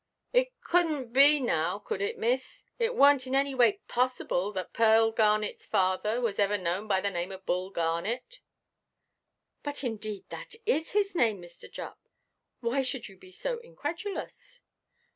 "It couldnʼt be now, could it, miss; it wornʼt in any way possible that Pearl Garnetʼs father was ever known by the name of Bull Garnet?" "But indeed that is his name, Mr. Jupp. Why should you be so incredulous?"